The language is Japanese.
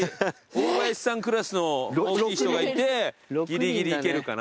大林さんクラスの大きい人がいてギリギリいけるかな。